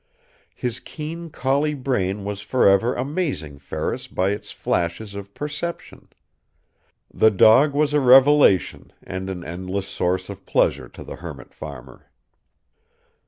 His keen collie brain was forever amazing Ferris by its flashes of perception. The dog was a revelation and an endless source of pleasure to the hermit farmer.